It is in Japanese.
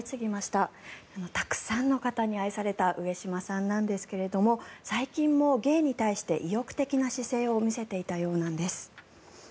たくさんの方に愛された上島さんなんですけれども最近も芸に対して意欲的な姿勢を見せていたようなんです。